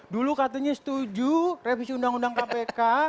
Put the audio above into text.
dulu katanya setuju revisi undang undang kpk